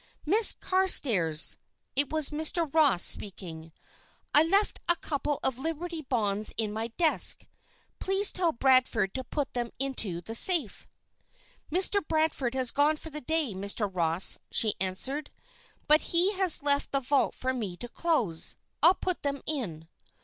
"Miss Carstairs," it was Mr. Ross speaking "I left a couple of Liberty Bonds in my desk. Please tell Bradford to put them into the safe." "Mr. Bradford has gone for the day, Mr. Ross," she answered, "but he has left the vault for me to close; I'll put them in."